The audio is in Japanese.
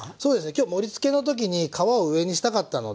今日盛りつけの時に皮を上にしたかったので。